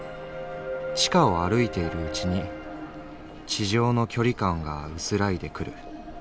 地下を歩いているうちに地上の距離感が薄らいでくる。